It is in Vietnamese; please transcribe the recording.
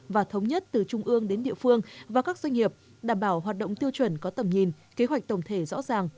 và thống nhất từ trung ương đến địa phương và các doanh nghiệp đảm bảo hoạt động tiêu chuẩn có tầm nhìn kế hoạch tổng thể rõ ràng